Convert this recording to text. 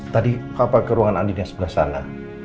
tadi kakak ke ruangan andin yang sebelah sana